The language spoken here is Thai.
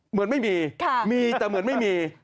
เหมือนไม่มีมีแต่เหมือนไม่มี